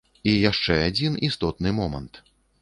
І яшчэ адзін істотны момант.